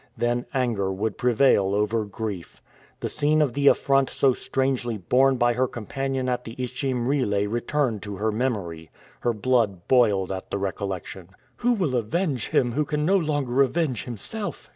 Then anger would prevail over grief. The scene of the affront so strangely borne by her companion at the Ichim relay returned to her memory. Her blood boiled at the recollection. "Who will avenge him who can no longer avenge himself?"